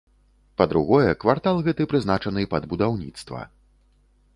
Па другое, квартал гэты прызначаны пад будаўніцтва.